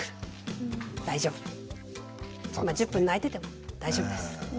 そんな１０分泣いてても大丈夫です。